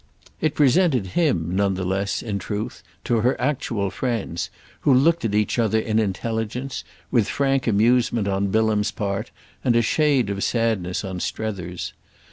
It presented him none the less, in truth, to her actual friends, who looked at each other in intelligence, with frank amusement on Bilham's part and a shade of sadness on Strether's.